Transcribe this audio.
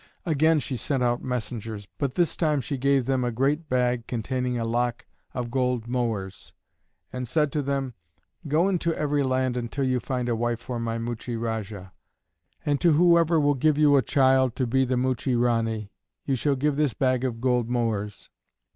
Again she sent out messengers, but this time she gave them a great bag containing a lac of gold mohurs, and said to them: "Go into every land until you find a wife for my Muchie Rajah, and to whoever will give you a child to be the Muchie Ranee you shall give this bag of gold mohurs."